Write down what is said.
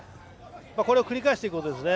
これを繰り返していくことですね。